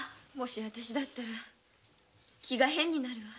わたしだったら気が変になるわ。